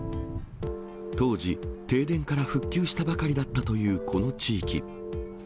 当時、停電から復旧したばかりだったというこの地域。